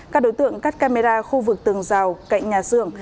các đối tượng cắt camera khu vực tường rào cạnh nhà xưởng